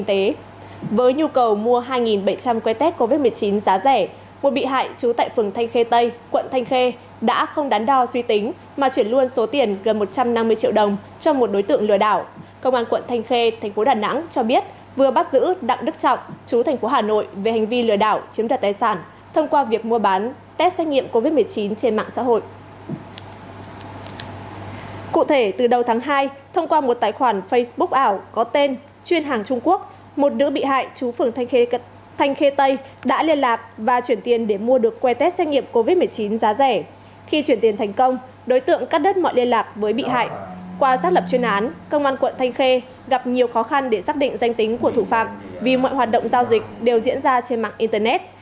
trong các lập chuyên án công an quận thanh khê gặp nhiều khó khăn để xác định danh tính của thủ phạm vì mọi hoạt động giao dịch đều diễn ra trên mạng internet